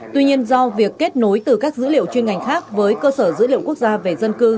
tuy nhiên do việc kết nối từ các dữ liệu chuyên ngành khác với cơ sở dữ liệu quốc gia về dân cư